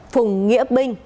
phùng nghĩa binh